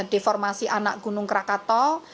deformasi anak gunung krakatau